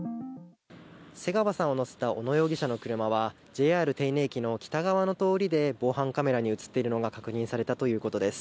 瀬川さんを乗せた小野容疑者の車はＪＲ手稲駅の北側の通りで防犯カメラに映っているのが確認されたということです。